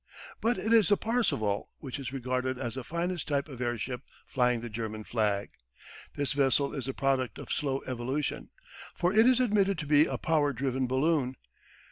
But it is the Parseval which is regarded as the finest type of airship flying the German flag. This vessel is the product of slow evolution, for it is admitted to be a power driven balloon.